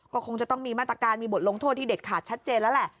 ก็คงจะต้องมีมาตรการมีบทลงโทษที่เด็ดขาดชัดเจนแล้วแหละ